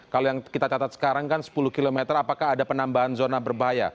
kalau yang kita catat sekarang kan sepuluh km apakah ada penambahan zona berbahaya